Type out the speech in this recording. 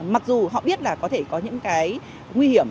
mặc dù họ biết là có thể có những cái nguy hiểm